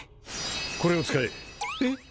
これを使ええっ？